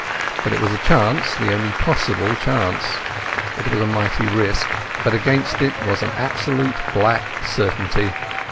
But it was a chance, the only possible chance. It was a mighty risk, but against it was an absolute black certainty.